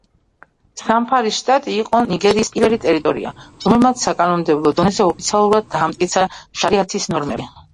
ზამფარის შტატი იყო ნიგერიის პირველი ტერიტორია, რომელმაც საკანონმდებლო დონეზე ოფიციალურად დაამტკიცა შარიათის ნორმები.